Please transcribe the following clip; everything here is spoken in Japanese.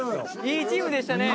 いいチームでしたね。